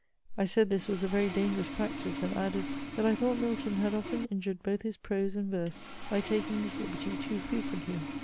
I said this was a very dangerous practice; and added, that I thought Milton had often injured both his prose and verse by taking this liberty too frequently.